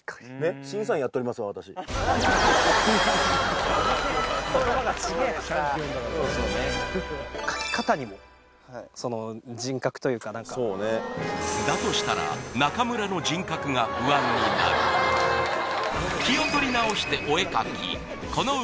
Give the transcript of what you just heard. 確かに言葉が違えそうでした描き方にもその人格というか何かそうねだとしたら中村の人格が不安になる気を取り直してお絵描き